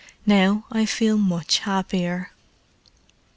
"Now I feel much happier."